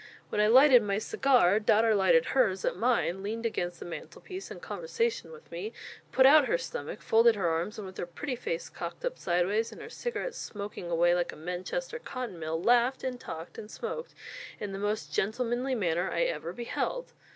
When I lighted my cigar, daughter lighted hers, at mine; leaned against the mantelpiece, in conversation with me; put out her stomach, folded her arms, and with her pretty face cocked up sideways and her cigarette smoking away like a Manchester cotton mill, laughed, and talked, and smoked, in the most gentlemanly manner I ever beheld.